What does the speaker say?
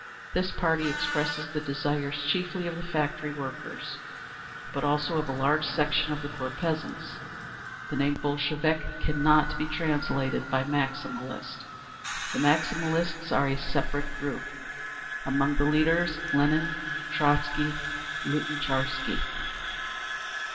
This party expresses the desires chiefly of the factory workers, but also of a large section of the poor peasants. The name "Bolshevik" can not be translated by "Maximalist." The Maximalists are a separate group. (See paragraph 5b). Among the leaders: Lenin, Trotzky, Lunatcharsky.